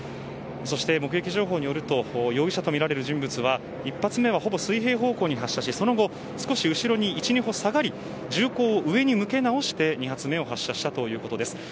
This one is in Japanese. そして、目撃情報によると容疑者とみられる人物は１発目は、ほぼ水平方向に発射しその後、少し後ろに１、２歩下がり銃口を上に向け直して２発目を発射したということです。